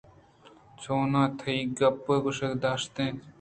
چون تئی گپِے گوش داشت اَنت